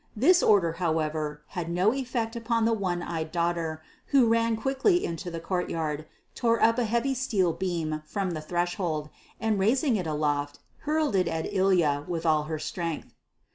This order, however, had no effect upon the one eyed daughter, who ran quickly into the courtyard, tore up a heavy steel beam from the threshold, and raising it aloft, hurled it at Ilya with all her strength.